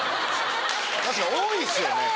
確かに多いですよね